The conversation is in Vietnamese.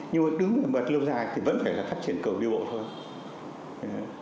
nhưng mà đứng ở mặt lâu dài thì vẫn phải là phát triển cầu đưa bộ thôi